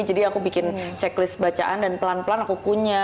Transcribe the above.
jadi aku bikin checklist bacaan dan pelan pelan aku punya